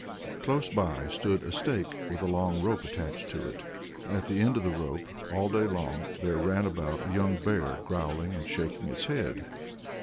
Close by stood a stake with a long rope attached to it, and at the end of the rope, all day long, there ran about a young bear growling and shaking its head.